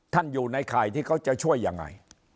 อยู่ในข่ายที่เขาจะช่วยยังไง